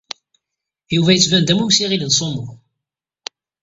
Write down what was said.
Yuba yettban-d am umsiɣil n sumo.